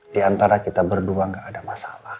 di antara kita berdua gak ada masalah